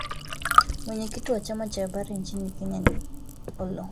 Mwenyekiti wa chama cha wanahabari nchini Kenya Oloo Janak